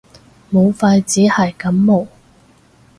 武肺只係感冒